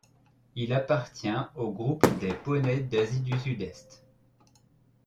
Il appartient au groupe des poneys d'Asie du Sud-Est.